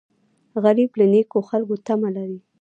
غریب له نیکو خلکو تمه لري